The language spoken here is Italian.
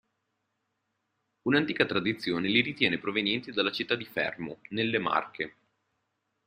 Un'antica tradizione li ritiene provenienti dalla città di Fermo, nelle Marche.